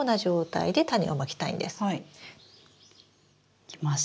いきます。